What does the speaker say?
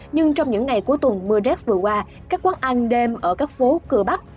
nhưng trong những ngày cuối tuần mưa rét vừa qua các quán ăn đêm ở các phố cửa bắc